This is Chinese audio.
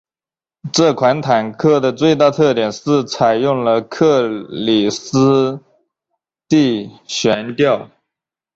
这款坦克的最大特色是采用了克里斯蒂悬吊。